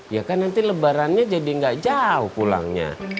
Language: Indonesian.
ya kan nanti lebarannya jadi nggak jauh pulangnya